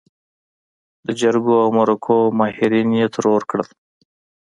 د جرګو او مرکو ماهرين يې ترور کړل.